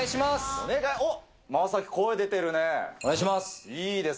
お願いします！